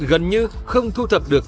gần như không thu thập được